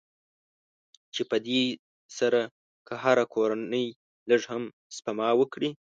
چې په دې سره که هره کورنۍ لږ هم سپما وکړي.